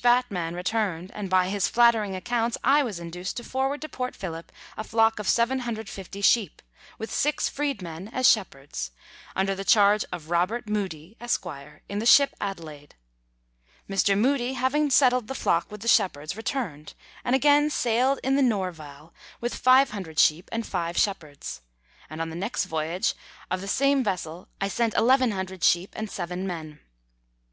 Batman returned, and by his flattering accounts I was induced to forward to Port Phillip a flock of 750 sheep, with six freedmen as shepherds, under the charge of Robert Mudie, Esquire, in the ship Adelaide. Mr. Mudie having settled the flock with the shepherds, returned, and again sailed in the JVorval, with 500 sheep and five shepherds ; and on the next voyage of the same 12 Letters from Victorian Pioneers. vessel I sent 1,100 sheep and seven men.